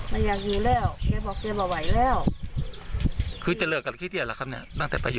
ไม่อยากอยู่แล้วแกบอกแกไม่ไหวแล้วคือจะเลิกกับขี้เตียดแล้วครับเนี่ย